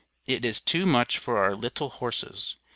It is tou much for our littel horses.